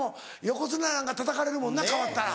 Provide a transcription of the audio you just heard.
横綱なんかたたかれるもんな変わったら。